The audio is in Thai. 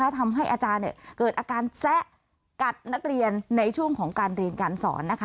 ทำให้อาจารย์เกิดอาการแซะกัดนักเรียนในช่วงของการเรียนการสอนนะคะ